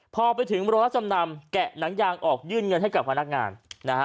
พอไปถึงโรงรับจำนำแกะหนังยางออกยื่นเงินให้กับพนักงานนะฮะ